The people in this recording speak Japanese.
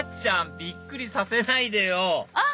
びっくりさせないでよあっ！